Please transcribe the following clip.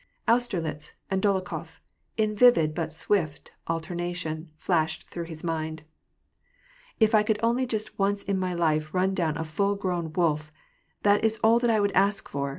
Austerlitz and Dolokhof, in vivid but swift alternation, flashed through his mind. " If I could only just once in my life run down a full grown wolf, that is all that I would ask for